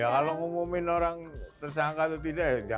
ya kalau ngumumin orang tersangka atau tidak ya